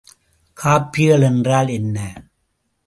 காப்பிகள் என்றால் என்ன?